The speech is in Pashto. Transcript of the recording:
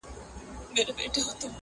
هسي نه چي په دنیا پسي زهیر یم ».!